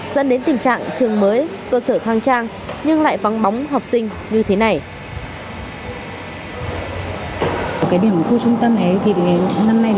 dẫn đến tình trạng trường mới cơ sở khang trang nhưng lại vắng bóng học sinh như thế này